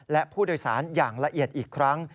และผู้โดยสารอย่างละเอียดอีกครั้ง